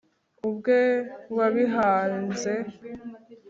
ubwe wabihanze